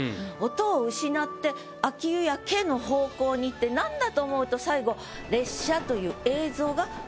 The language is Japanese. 音を失って秋夕焼の方向に行って何だ？と思うと最後「列車」という。